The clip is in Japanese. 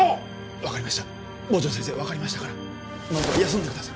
分かりました坊城先生分かりましたからまずは休んでください